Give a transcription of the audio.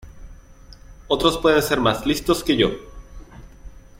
Otros pueden ser más listos que yo.